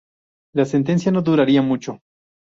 La sentencia no duraría mucho.